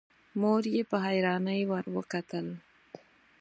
مور يې په حيرانی ورته وکتل.